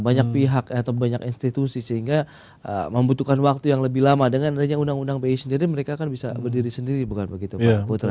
banyak pihak atau banyak institusi sehingga membutuhkan waktu yang lebih lama dengan adanya undang undang bi sendiri mereka akan bisa berdiri sendiri bukan begitu pak putra